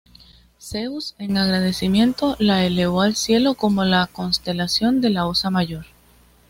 Zeus, en agradecimiento, la elevó al cielo como la constelación de la Osa Mayor.